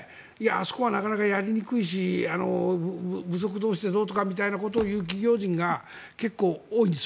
あそこはなかなかやりにくいし部族同士でどうとかみたいなことを言う企業人が結構多いんです。